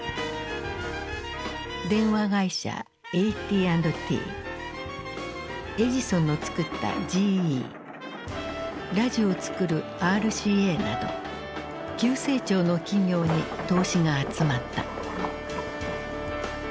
電話会社ＡＴ＆Ｔエジソンの作ったＧＥラジオを作るＲＣＡなど急成長の企業に投資が集まった。